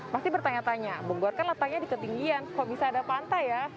pasti bertanya tanya bogor kan letaknya di ketinggian kok bisa ada pantai ya